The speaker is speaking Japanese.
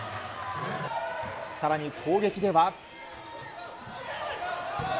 さらに攻撃では。